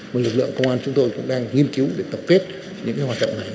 một lực lượng công an chúng tôi cũng đang nghiên cứu để tập kết những cái hoạt động này